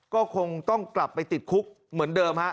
ก็คงต้องกลับไปติดคุกเหมือนเดิมฮะ